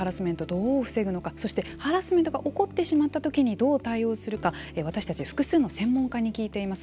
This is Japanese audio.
どう防ぐのかそしてハラスメントが起こってしまった時にどう対応するか私たち複数専門家に聞いています。